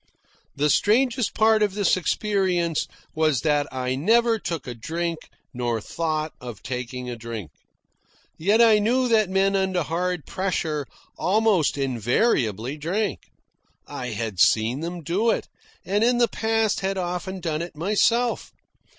The strangest part of this experience was that I never took a drink nor thought of taking a drink. Yet I knew that men under hard pressure almost invariably drank. I had seen them do it, and in the past had often done it myself.